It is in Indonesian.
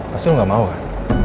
pasti lu gak mau lah